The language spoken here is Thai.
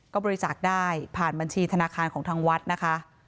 ก็บริจาคได้ผ่านบัญชีธนาคารของทางวัดนะคะ